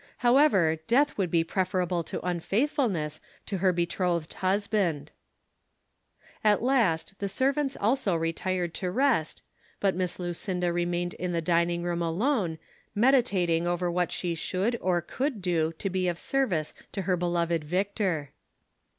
However, death would be preferable to unfaithfulness to her be^ trothed husband. At last the servants also retired to rest, but Miss Lu cinda remained in the dining room alone, meditating over THE CONSPIRATORS AND LOVERS. 61 what she should or could do to be of service to her beloved Victor.